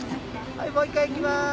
はいもう１回いきます。